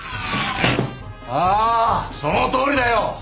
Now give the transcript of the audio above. ああそのとおりだよ！